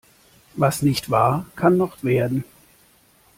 Was nicht war, kann noch werden.